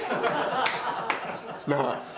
なあ。